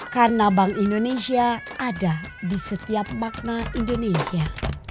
karena bank indonesia ada di setiap makna indonesia